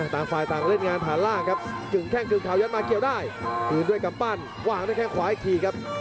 ต่างฝ่ายต่างเล่นงานผ่านล่างครับกึ่งแข้งกึ่งข่าวยัดมาเกี่ยวได้คืนด้วยกำปั้นวางด้วยแข้งขวาอีกทีครับ